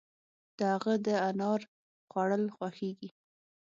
د هغه د انار خوړل خوښيږي.